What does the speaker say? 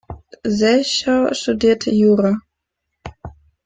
Selchow studierte Jura.